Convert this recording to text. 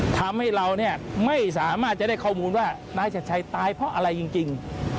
ทำให้เราเนี่ยไม่สามารถจะได้ข้อมูลว่านายชัดชัยตายเพราะอะไรจริง